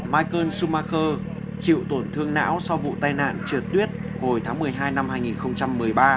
michael schumacher chịu tổn thương não sau vụ tai nạn trượt tuyết hồi tháng một mươi hai năm hai nghìn một mươi ba